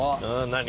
何？